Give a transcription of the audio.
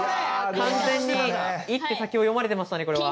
完全に一手先を読まれてましたねこれは。